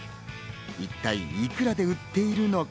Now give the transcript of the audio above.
一体いくらで売っているのか？